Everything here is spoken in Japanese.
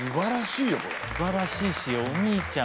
素晴らしいしお兄ちゃん。